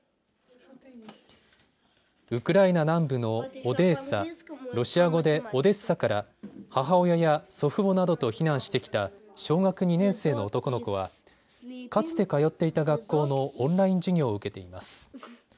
ウクライナ南部のオデーサ、ロシア語でオデッサから母親や祖父母などと避難してきた小学２年生の男の子はかつて通っていた学校のオンライン授業を受けています。